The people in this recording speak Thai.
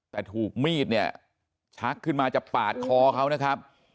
แต่ถูกมีดเนี่ยชักขึ้นมาจะปาดคอเขานะครับ